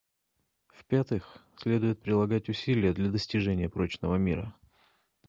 В-пятых, следует прилагать усилия для достижения прочного мира.